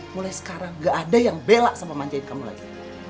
mulai sekarang gak ada yang bela sama manjain kamu lagi